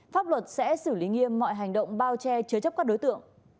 pháp luật sẽ xử lý nghiêm mọi hành động bao che chứa chấp các đối tượng